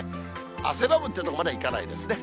汗ばむというところまではいかないですね。